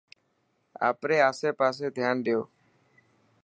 آپري آسي پاسي ڌيان ڏيو.